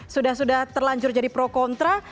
sudah sudah terlanjur jadi pro kontra